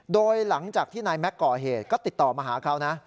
โดยหลังจากที่นายแม็กซ์ก่อเหตุก็ติดต่อมาหาเขานะ